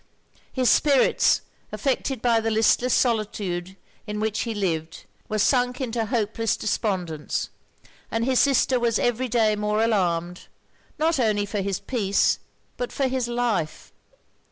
His spirits, affected by the listless solitude in which he lived, were sunk into hopeless despondence; and his sister was every day more alarmed, not only for his peace but for his life.